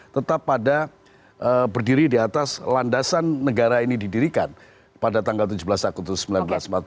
tetap pada berdiri di atas landasan negara ini didirikan pada tanggal tujuh belas agustus seribu sembilan ratus empat puluh lima